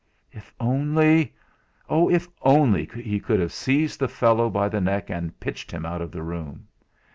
If only oh! if only he could have seized the fellow by the neck and pitched him out of the room!